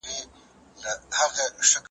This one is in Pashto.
صادقانه ژوند غوره لار ده.